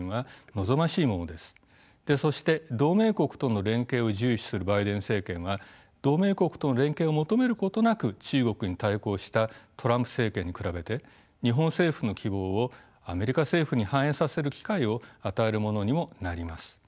そして同盟国との連携を重視するバイデン政権は同盟国との連携を求めることなく中国に対抗したトランプ政権に比べて日本政府の希望をアメリカ政府に反映させる機会を与えるものにもなります。